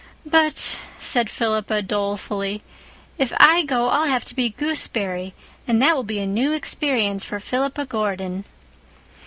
"But," said Philippa dolefully, "if I go I'll have to be gooseberry, and that will be a new experience for Philippa Gordon."